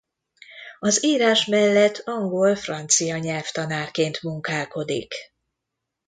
Az írás mellett angol–francia nyelvtanárként munkálkodik.